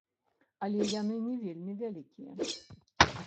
Але яны не вельмі вялікія.